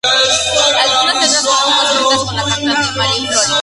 Algunas letras fueron co-escritas con la cantante Marie-Flore.